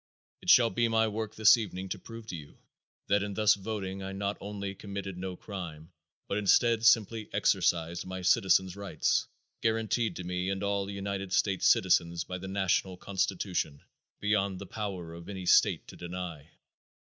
It shall be my work this evening to prove to you that in thus voting I not only committed no crime, but, instead, simply exercised my citizen's rights, guaranteed to me and all United States citizens by the National Constitution, beyond the power of any State to deny."